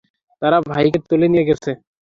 তারা ভাইকে তুলে নিয়ে গেছে।